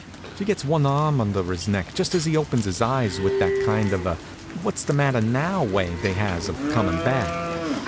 She gets one arm under his neck just as he opens his eyes with that kind of a "What's the matter now?" way they has of comin' back.